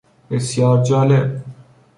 بسیار جالب